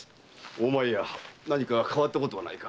大前屋何か変わったことはないか？